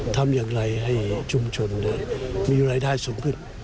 ทำอย่างไรให้ชุมชนมีรายได้สูงขึ้น